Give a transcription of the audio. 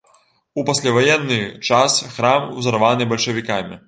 У пасляваенны час храм узарваны бальшавікамі.